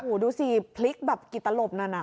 อู๋ดูสิพลิกแบบกิตลบนั่น